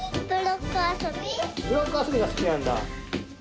ブロック遊びが好きなんだ。